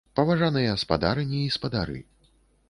Паважаныя спадарыні і спадары!